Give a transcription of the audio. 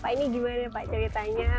pak ini gimana pak ceritanya